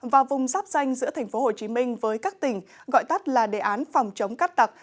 và vùng giáp danh giữa tp hcm với các tỉnh gọi tắt là đề án phòng chống cát tặc